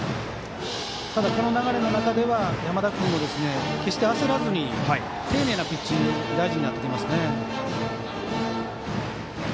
ただ、この流れの中では山田君も決して焦らず丁寧なピッチングが大事になってきますね。